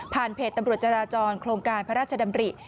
เพจตำรวจจราจรโครงการพระราชดำริ